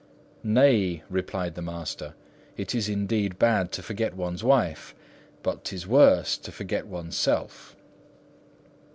"Nay," replied the Master, "it is indeed bad to forget one's wife; but 'tis worse to forget one's self!"